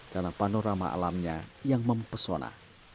karena panorama alamnya yang mempesona